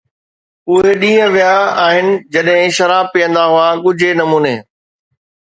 اهي ڏينهن ويا آهن جڏهن شراب پيئندا هئا ڳجهي نموني